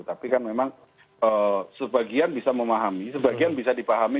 tapi kan memang sebagian bisa memahami sebagian bisa dipahami